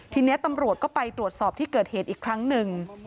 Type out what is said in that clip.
ทีนี้ตำรวจก็ไปตรวจสอบที่เกิดเหตุอีกครั้งหนึ่ง